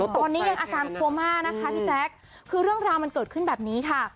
ตอนนี้ยังอาการโคม่านะคะพี่แจ๊คคือเรื่องราวมันเกิดขึ้นแบบนี้ค่ะ